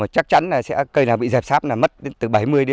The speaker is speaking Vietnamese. chắc chắn cây nào bị dẹp sáp mất từ bảy mươi một trăm linh